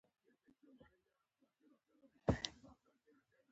هوډ مې وکړ چې په کووا کې د خان زمان لپاره یو څه وپیرم.